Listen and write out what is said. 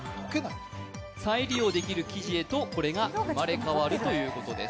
再利用できる生地へと生まれ変わるということです。